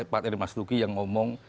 pak eri mas duki yang ngomong